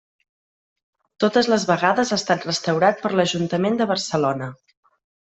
Totes les vegades ha estat restaurat per l'Ajuntament de Barcelona.